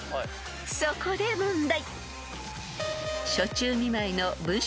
［そこで問題］